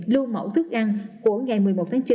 lưu mẫu thức ăn của ngày một mươi một tháng chín